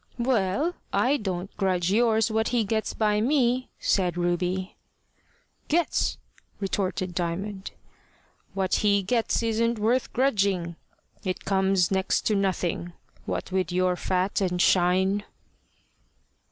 "Well, I don't grudge yours what he gets by me," said Ruby. "Gets!" retorted Diamond. "What he gets isn't worth grudging. It comes to next to nothing what with your fat and shine.